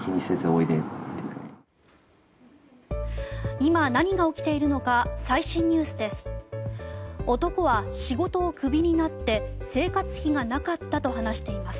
今何が起きているのか最新ニュースです。